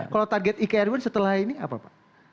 kalau target ipk ike setelah ini apa pak